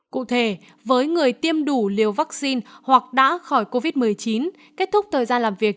cụ thể với người tiêm đủ liều vaccine hoặc đã khỏi covid một mươi chín kết thúc thời gian làm việc